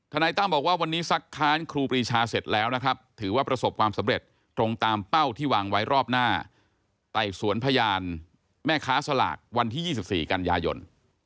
นายตั้มบอกว่าวันนี้ซักค้านครูปรีชาเสร็จแล้วนะครับถือว่าประสบความสำเร็จตรงตามเป้าที่วางไว้รอบหน้าไต่สวนพยานแม่ค้าสลากวันที่๒๔กันยายน